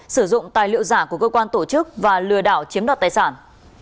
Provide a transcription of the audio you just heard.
sử dụng tài liệu giả của cơ quan tổ chức và lừa đảo chiếm đoạt tài sản